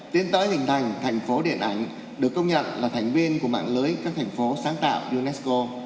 tiến tới hình thành thành phố điện ảnh được công nhận là thành viên của mạng lưới các thành phố sáng tạo unesco